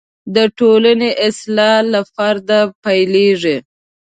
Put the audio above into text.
د ټولنې اصلاح له فرده پیلېږي.